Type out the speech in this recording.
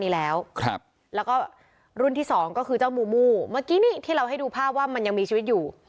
แล้วก็รุ่นที่สองก็คือเจ้ามูมูเมื่อกี้นี่ที่เราให้ดูภาพว่ามันยังมีชีวิตอยู่